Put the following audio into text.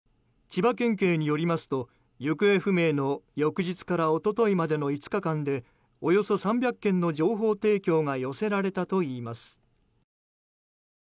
千葉県警によりますと行方不明の翌日から一昨日までの５日間でおよそ３００件の情報提供が寄せられたといいます。